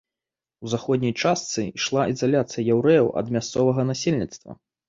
У заходняй частцы ішла ізаляцыя яўрэяў ад мясцовага насельніцтва.